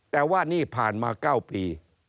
แต่ว่านี่ผ่านมา๙ปี